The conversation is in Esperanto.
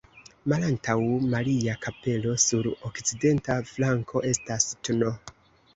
Malantaŭ Maria-kapelo sur okcidenta flanko estas tn.